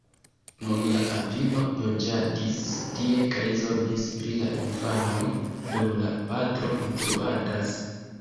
Nun la avino loĝadis tie kaj zorgis pri la infanoj, dum la patro instruadas.